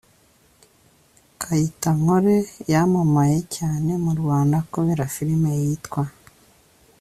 Kayitankore yamamaye cyane mu Rwanda kubera film yitwa